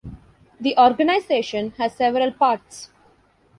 The organisation has several parts.